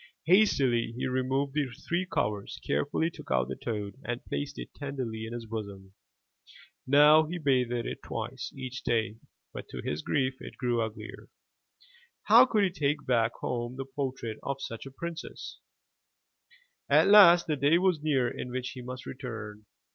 Hastily he removed the three covers, carefully took out the toad, and placed it tenderly in his bosom. Now he bathed it twice each day, but to his grief it grew uglier. How could he take back home the portrait of such a princess? At last the day was near in which he must return.